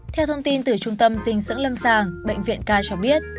theo thông tin từ trung tâm dinh dưỡng lâm sàng bệnh viện k cho biết